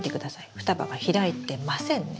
双葉が開いてませんね。